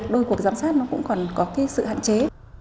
đôi cuộc giám sát nó cũng còn có cái sự hạn chế